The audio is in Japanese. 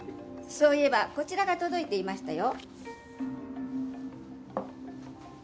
そういえばこちらが届いていましたよ。